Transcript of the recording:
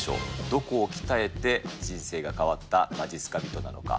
どこを鍛えて人生が変わったまじっすか人なのか。